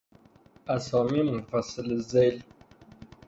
اسامی مفصله ذیل